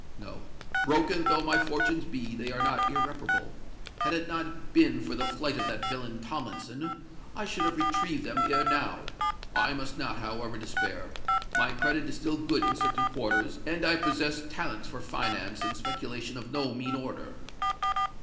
No—broken though my fortunes be, they are not irreparable. Had it not been for the flight of that villain Tomlinson, I should have retrieved them ere now. I must not, however, despair: my credit is still good in certain quarters; and I possess talents for finance and speculation of no mean order."